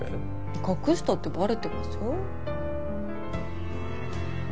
隠したってバレてますよ。